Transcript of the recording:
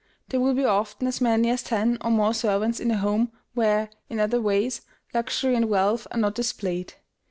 There will be often as many as ten or more servants in a home where, in other ways, luxury and wealth are not displayed.